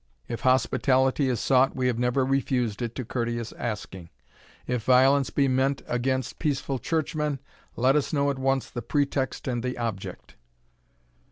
If hospitality is sought, we have never refused it to courteous asking if violence be meant against peaceful churchmen, let us know at once the pretext and the object?"